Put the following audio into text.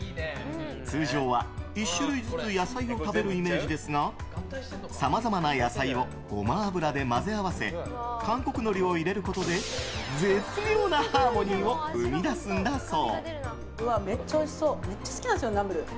通常は、１種類ずつ野菜を食べるイメージですがさまざまな野菜をゴマ油で混ぜ合わせ韓国のりを入れることで絶妙なハーモニーを生み出すんだそう。